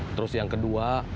terus yang kedua